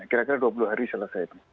kira kira dua puluh hari selesai itu